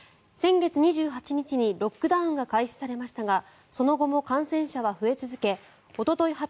先月２８日にロックダウンが開始されましたがその後も感染者は増え続けおととい